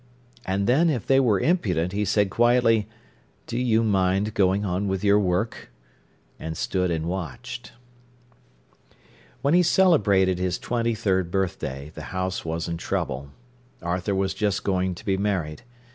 And then, if they were impudent, he said quietly: "Do you mind going on with your work," and stood and watched. When he celebrated his twenty third birthday, the house was in trouble. Arthur was just going to be married.